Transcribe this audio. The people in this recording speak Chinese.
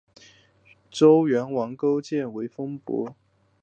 周元王封勾践为伯。